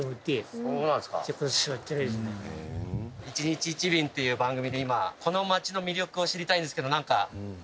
『１日１便』っていう番組で今この町の魅力を知りたいんですけど何か。